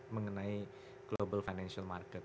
mengenai global financial market